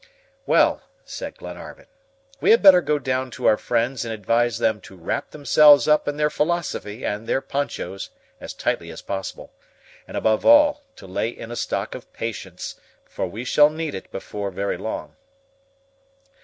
"Well," said Glenarvan, "we had better go down to our friends, and advise them to wrap themselves up in their philosophy and their ponchos as tightly as possible, and above all, to lay in a stock of patience, for we shall need it before very long."